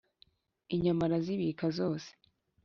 inyama arazibika.zose